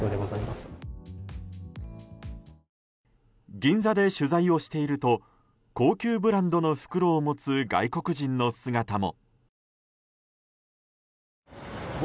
銀座で取材していると高級ブランドの袋を持つ外国人の姿も。